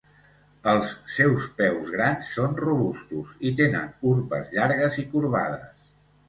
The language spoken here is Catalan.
Els seus peus grans són robustos i tenen urpes llargues i corbades.